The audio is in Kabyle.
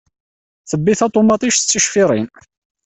Tebbi taṭumaṭict d ticfiṛin.